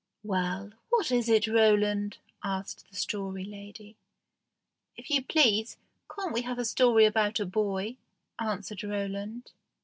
"Well, what is it, Roland?" asked the Story Lady. "If you please, can't we have a story about a boy?" answered Roland.